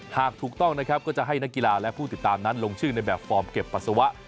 หากถูกต้องนะครับก็จะให้นักกีฬาและผู้ติดตามนั้นลงชื่อในแบบฟอร์มเก็บปัสสาวะ